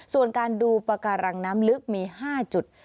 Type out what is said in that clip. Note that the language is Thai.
ส่วนการดูปากการังน้ำลึกมี๕จุด